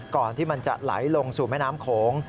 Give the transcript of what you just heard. ก่อนที่มันจะไหลลงสู่แม่น้ำโขง